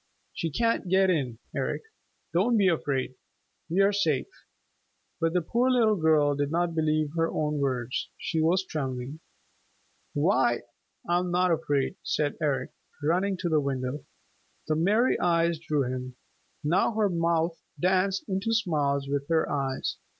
She can't get in, Eric. Don't be afraid. We are safe." But the poor little girl did not believe her own words. She was trembling. "Why, I'm not afraid," said Eric, running to the window. The merry eyes drew him. Now her mouth danced into smiles with her eyes.